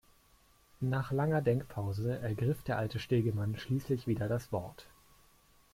Nach langer Denkpause ergriff der alte Stegemann schließlich wieder das Wort.